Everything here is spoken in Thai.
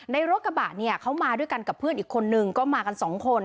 รถกระบะเนี่ยเขามาด้วยกันกับเพื่อนอีกคนนึงก็มากันสองคน